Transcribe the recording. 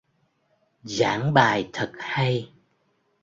Giảng bài thật hay